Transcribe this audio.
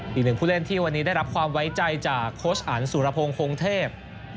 อีกหนึ่งผู้เล่นที่วันนี้ได้รับความไว้ใจจากโค้ชอันสุรพงศ์คงเทพ